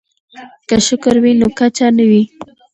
که شکر وي نو کچه نه وي.